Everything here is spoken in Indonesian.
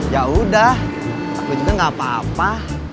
ya udah aku juga gak apa apa